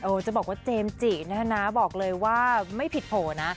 จะบอกว่าเจมส์จินะฮะบอกเลยว่าไม่ผิดโผล่นะ